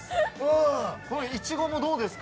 いちごもどうですか？